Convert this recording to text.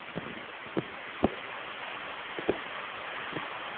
Matawi maarufu wakati huo kama nyota ya asubuhi